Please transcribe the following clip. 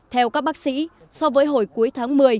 theo các bác sĩ so với hồi cuối tháng một mươi